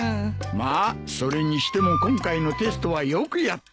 まあそれにしても今回のテストはよくやった。